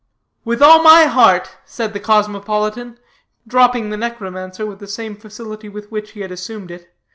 "With all my heart," said the cosmopolitan, dropping the necromancer with the same facility with which he had assumed it.